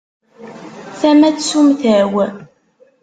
Tama n tsumta-w.